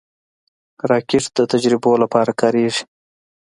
راکټ د تجربو لپاره کارېږي